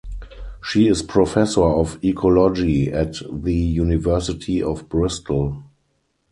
She is professor of ecology at the University of Bristol.